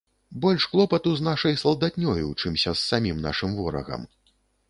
Больш клопату з нашай салдатнёю, чымся з самім нашым ворагам.